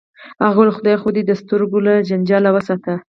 هغه ویل خدای خو دې د سترګو له جنجاله وساته